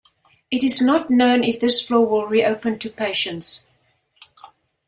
It is not known if this floor will reopen to patients.